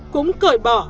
cũng cởi bỏ